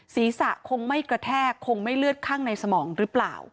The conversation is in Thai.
ศีรษะคงไม่กระแทกคงไม่เลือดข้างในสมองหรือเปล่า